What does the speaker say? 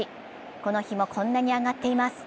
この日もこんなに上がっています。